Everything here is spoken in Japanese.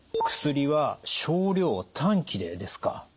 「薬は少量・短期」でですか。